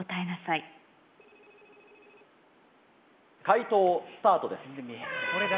解答スタートです。